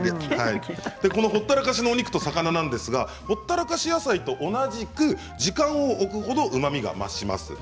ほったらかしのお肉と魚ですがほったらかし野菜と同じく時間を置くほどうまみが増します。